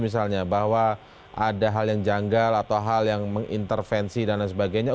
misalnya bahwa ada hal yang janggal atau hal yang mengintervensi dan lain sebagainya